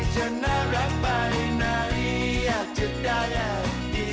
ฉันมีเสน่ห์มากมายฉันน่ารักไปไหนอยากจะได้อยากอีก